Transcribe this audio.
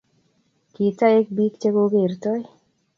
Ko taek biik che ko kertoi